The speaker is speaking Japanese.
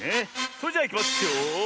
それじゃあいきますよ。